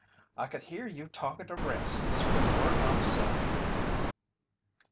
"I could hear you talkin' to Rastus from whur I'm settin'."